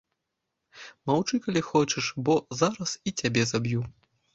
Маўчы, калі хочаш, бо зараз і цябе заб'ю!